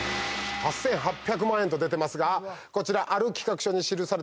８８００万円と出てますがこちら。